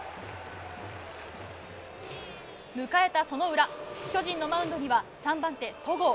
迎えたその裏巨人のマウンドには３番手、戸郷。